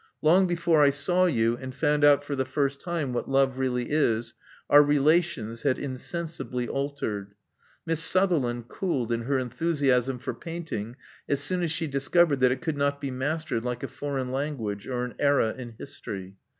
Long before I saw you and found out for the first time what love really is, our relations had insensibly altered. Miss . Sutherland cooled in her enthusiasm for painting as soon as she discovered that it could not be mastered like a foreign language or an era in history.